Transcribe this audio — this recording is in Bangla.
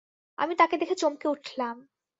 আমি তাকে দেখে চমকে উঠলাম।